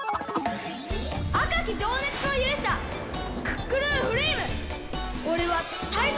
あかきじょうねつのゆうしゃクックルンフレイムおれはタイゾウ！